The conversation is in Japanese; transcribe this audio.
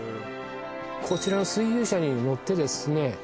こちらの水牛車に乗ってですね